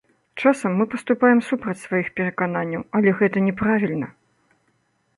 Часам мы паступаем супраць сваіх перакананняў, але гэта не правільна.